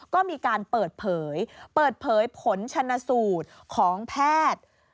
ก็มีการเปิดเผยเปิดเผยผลชนสูตรของแพทย์